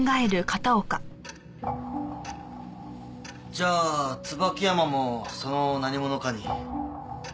じゃあ椿山もその何者かに。